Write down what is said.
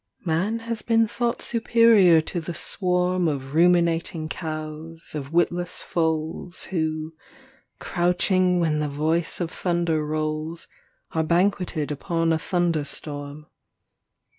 XXXII Man has been thought superior to the swarm Of ruminating cows, of witless foals Who, crouching when the voice of thunder rolls, Are banqueted upon a thunderstorm.